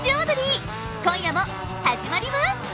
今夜も始まります